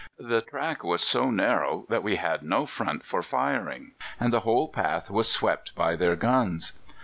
The track was so narrow that we had no front for firing, and the whole path was swept by their guns.